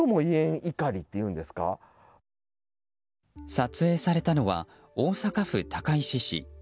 撮影されたのは大阪府高石市。